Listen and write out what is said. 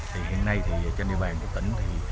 hiện nay trên địa bàn của tỉnh